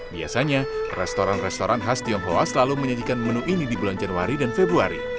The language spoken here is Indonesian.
biasanya restoran restoran khas tionghoa selalu menyajikan menu ini di bulan januari dan februari